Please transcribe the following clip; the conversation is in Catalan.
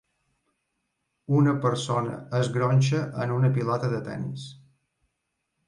Una persona es gronxa en una pilota de tennis.